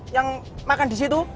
yang makan disitu